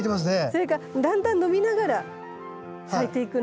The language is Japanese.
それかだんだん伸びながら咲いていくの。